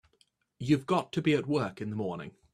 You've got to be at work in the morning.